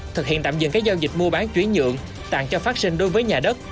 thực hiện tạm dừng các giao dịch mua bán chuyển nhượng tặng cho phát sinh đối với nhà đất